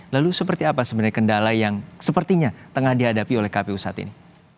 lalu seperti apa sebenarnya kendala yang sepertinya tengah dihadapi oleh kpu saat ini